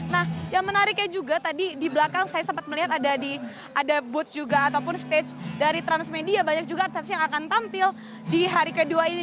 nah yang menariknya juga tabi di belakang saya sempat melihat ada di ada booth juga ataupun stage dari trans media banyak juga yang akan tampil di hari kedua ini